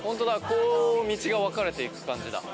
こう道が分かれていく感じだ。